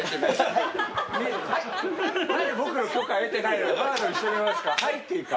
何で僕の許可得てないのにハードにしてみますか？